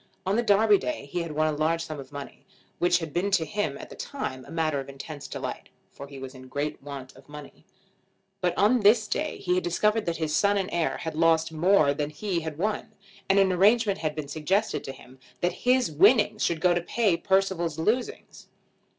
On the Derby Day he had won a large sum of money, which had been to him at the time a matter of intense delight, for he was in great want of money. But on this day he had discovered that his son and heir had lost more than he had won, and an arrangement had been suggested to him that his winnings should go to pay Percival's losings.